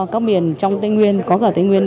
các miền trong tây nguyên có cả tây nguyên